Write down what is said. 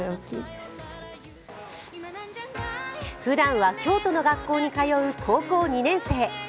ふだんは京都の学校に通う高校２年生。